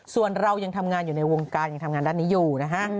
ส่วนเรายังทำงานอยู่ในวงการยังทำงานด้านนี้อยู่นะฮะ